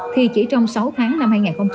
thì chỉ trong sáu tháng năm hai nghìn hai mươi